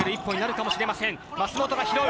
１本になるかもしれません。